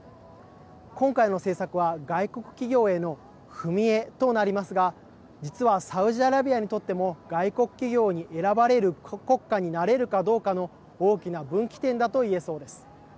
今回の政策は外国企業への踏み絵となりますが実は、サウジアラビアにとっても外国企業に選ばれる国家になれるかどうかの大きな分岐点だと言えそうです。